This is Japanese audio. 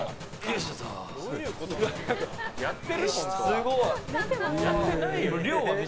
すごいな。